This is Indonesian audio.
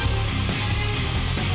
mas ini dia mas